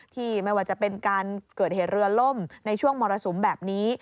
ไม่ว่าจะเป็นการเกิดเหตุเรือล่มในช่วงมรสุมแบบนี้